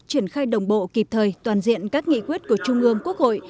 triển khai đồng bộ kịp thời toàn diện các nghị quyết của trung ương quốc hội